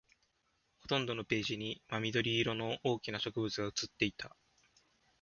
ほとんどのページに真緑色の大きな植物が写っていた